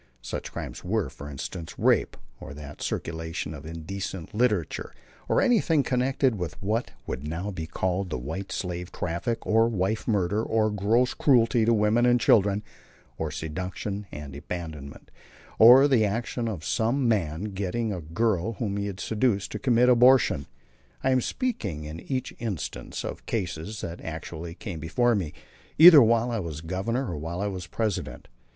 Such crimes were, for instance, rape, or the circulation of indecent literature, or anything connected with what would now be called the "white slave" traffic, or wife murder, or gross cruelty to women and children, or seduction and abandonment, or the action of some man in getting a girl whom he had seduced to commit abortion. I am speaking in each instance of cases that actually came before me, either while I was Governor or while I was President.